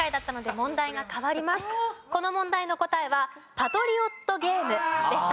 この問題の答えは『パトリオット・ゲーム』でした。